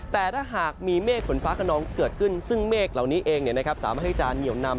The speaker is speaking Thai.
แต่ถ้าหากมีเมฆฝนฟ้าขนองเกิดขึ้นซึ่งเมฆเหล่านี้เองสามารถให้จะเหนียวนำ